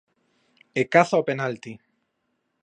E caza o penalti.